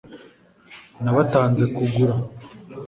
nabatanze kugura